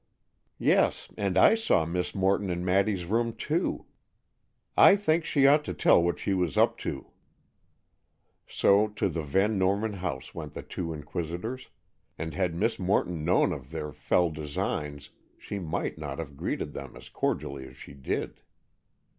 "Yes, and I saw Miss Morton in Maddy's room, too. I think she ought to tell what she was up to." So to the Van Norman house went the two inquisitors, and had Miss Morton known of their fell designs she might not have greeted them as cordially as she did.